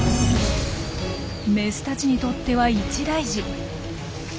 メスたちにとっては一大事。